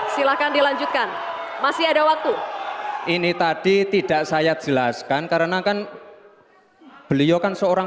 silakan dilanjutkan masih ada waktu ini tadi tidak saya jelaskan karena kan beliukan seorang